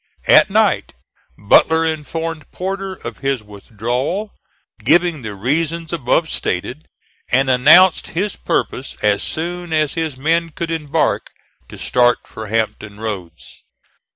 At night Butler informed Porter of his withdrawal, giving the reasons above stated, and announced his purpose as soon as his men could embark to start for Hampton Roads.